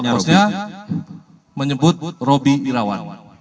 tempat kosnya menyebut robi irawan